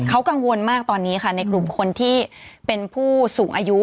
เขากังวลมากตอนนี้ค่ะในกลุ่มคนที่เป็นผู้สูงอายุ